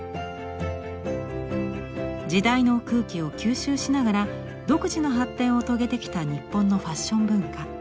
時代の空気を吸収しながら独自の発展を遂げてきた日本のファッション文化。